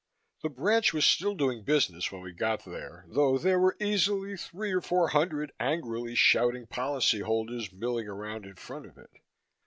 The branch was still doing business when we got there, though there were easily three or four hundred angrily shouting policyholders milling around in front of it.